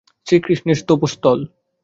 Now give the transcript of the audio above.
শ্রীকৃষ্ণের তপোস্থল।